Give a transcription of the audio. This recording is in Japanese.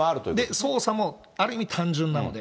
操作もある意味単純なので。